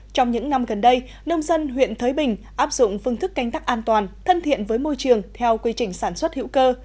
trong những năm gần đây nông dân huyện thới bình áp dụng phương thức canh tắc an toàn thân thiện với môi trường theo quy trình sản xuất hữu cơ